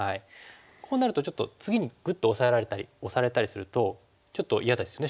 こうなるとちょっと次にグッとオサえられたりオサれたりするとちょっと嫌ですよね